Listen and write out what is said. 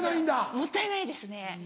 もったいないですね。